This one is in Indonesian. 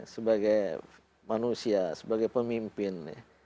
sebagai manusia sebagai pemimpin